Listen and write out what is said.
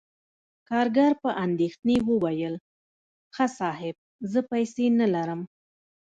کارګر په اندیښنې وویل: "ښه، صاحب، زه پیسې نلرم..."